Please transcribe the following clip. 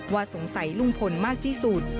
สงสัยลุงพลมากที่สุด